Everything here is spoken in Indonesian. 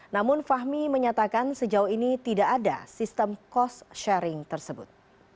namun fahmi menyatakan sejauh ini tidak ada sistem cost sharing tersebut